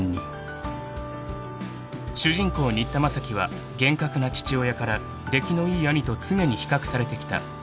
［主人公新田正樹は厳格な父親から出来のいい兄と常に比較されてきた］